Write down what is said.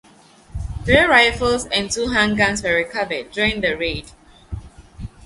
Three rifles and two handguns were recovered during the raid.